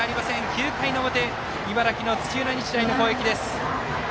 ９回の表、茨城の土浦日大の攻撃。